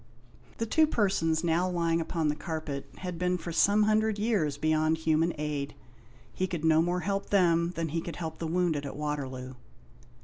The two persons now lying upon the carpet had been for some hundred years beyond human aid. He could no more help them than he could help the wounded at Waterloo.